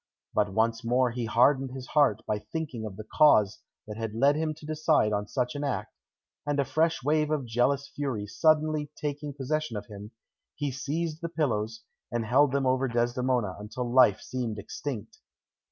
But once more he hardened his heart by thinking of the cause that had led him to decide on such an act, and a fresh wave of jealous fury suddenly taking possession of him, he seized the pillows, and held them over Desdemona until life seemed extinct.